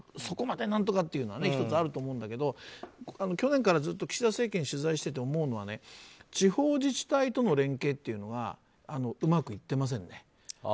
そこまで、何とかっていうのは１つあると思うんだけど去年からずっと岸田政権を取材していて思うのは地方自治体との連携というのがうまくいってませんね。